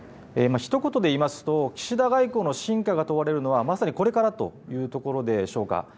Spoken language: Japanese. ひと言で言いますと、岸田外交の真価が問われるのは、まさに、これからというところでしょうか。